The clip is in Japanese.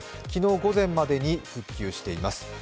昨日午前までに復旧しています。